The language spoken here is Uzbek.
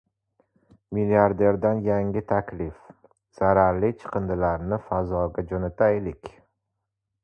Milliarderdan yangi taklif: "Zararli chiqindilarni fazoga jo‘nataylik..."